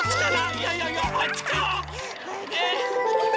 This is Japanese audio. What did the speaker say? いやいやいやあっちかな？